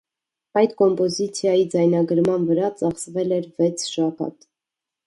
Այդ կոմպոզիցիայի ձայնագրման վրա ծախսվել էր վեց շաբաթ։